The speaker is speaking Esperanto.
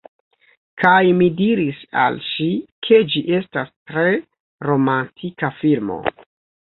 Kaj mi diris al ŝi, ke ĝi estas tre romantika filmo.